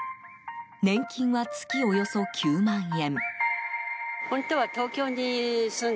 年金は、月およそ９万円。